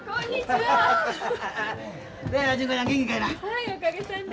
はいおかげさんで。